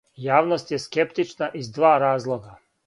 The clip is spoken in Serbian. Јавност је скептична из два разлога.